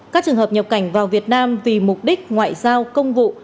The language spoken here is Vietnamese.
các trường hợp nhập cảnh vào việt nam vì mục đích ngoại giao công vụ